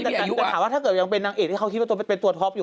แต่ถามว่าถ้าเกิดยังเป็นนางเอกที่เขาคิดว่าเป็นตัวท็อปอยู่